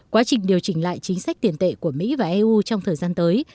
quá trình điều chỉnh lại chính sách tiền tệ của mỹ và eu trong thời gian tới